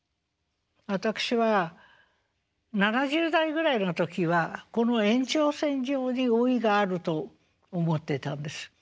私は７０代ぐらいの時はこの延長線上に老いがあると思ってたんです。